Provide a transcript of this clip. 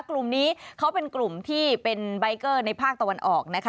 กลุ่มนี้เขาเป็นกลุ่มที่เป็นใบเกอร์ในภาคตะวันออกนะคะ